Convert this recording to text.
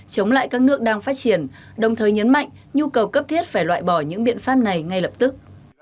chống lại các nước đang phát triển đồng thời nhấn mạnh nhu cầu cấp thiết phải loại bỏ những biện pháp này ngay lập tức